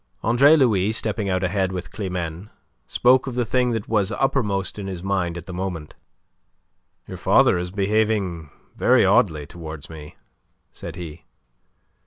Andre Louis, stepping out ahead with Climene, spoke of the thing that was uppermost in his mind at the moment. "Your father is behaving very oddly towards me," said he.